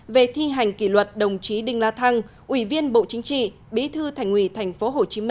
về thi hành kỷ luật đồng chí đinh la thăng ủy viên bộ chính trị bí thư thành ủy tp hcm